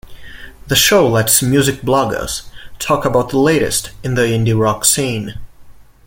The show lets music bloggers talk about the latest in the indie-rock scene.